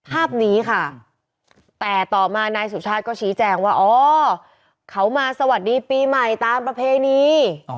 ภาพนี้ค่ะแต่ต่อมานายสุชาติก็ชี้แจงว่าอ๋อเขามาสวัสดีปีใหม่ตามประเพณี